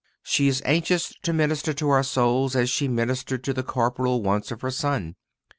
She is anxious to minister to our souls as she ministered to the corporal wants of her Son.